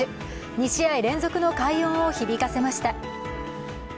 ２試合連続の快音を響かせました。